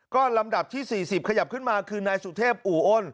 ก็ลำดับที่๔๐ขยับขึ้นมาคือนายสุเทพอู่อ้น